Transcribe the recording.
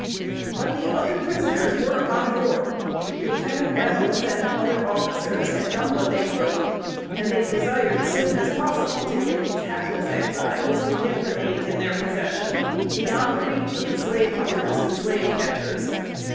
But the other prisoners were on board. Lieutenant Reynolds and other officers had done what they could, and they desired soon as possible to get the hapless Exiles, who yet remained in their possession, beyond the reach of slave hunters and slave catchers.